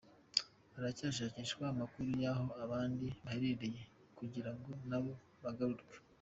Haracyashakishwa amakuru yahoo abandi baherereye kugira ngo na bo bagarurwe.